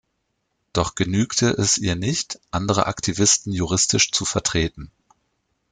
Doch genügte es ihr nicht, andere Aktivisten juristisch zu vertreten.